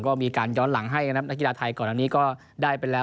ก็มีการย้อนหลังให้นะครับนักกีฬาไทยก่อนอันนี้ก็ได้ไปแล้ว